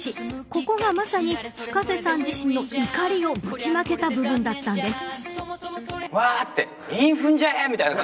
ここがまさにＦｕｋａｓｅさん自身の怒りをぶちまけた部分だったんです。